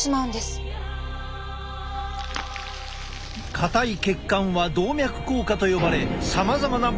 硬い血管は動脈硬化と呼ばれさまざまな病気のリスクにつながる。